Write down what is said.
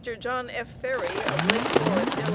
John F. Ferry of Lake Forest, Ill.